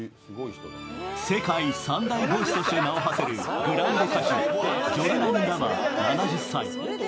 世界三大ボイスとして名をはせるグランデ歌手ジョルナン・ラマ７０歳。